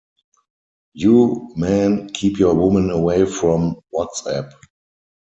You, men, keep your women away from WhatsApp.